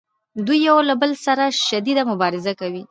دوی یو له بل سره شدیده مبارزه کوي